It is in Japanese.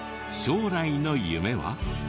将来の夢は？